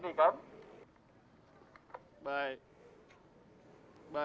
lo jangan pegangin gua